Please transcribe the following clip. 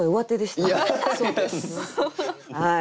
はい。